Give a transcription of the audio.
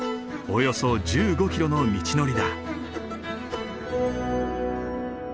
およそ１５キロの道のりだ。